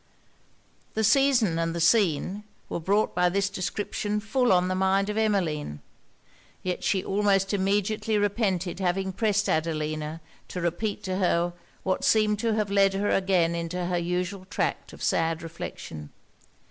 The 'season and the scene' were brought by this description full on the mind of Emmeline; yet she almost immediately repented having pressed Adelina to repeat to her what seemed to have led her again into her usual tract of sad reflection.